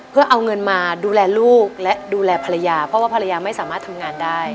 เพื่อเอาเงินมาดูแลลูกและดูแลภรรยาเพราะว่าภรรยาไม่สามารถทำงานได้